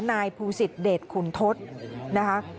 นายภูศิษฐเดชขุนทศนะคะ